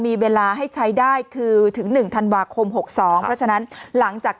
มีเวลาให้ใช้ได้คือถึง๑ธันวาคม๖๒เพราะฉะนั้นหลังจาก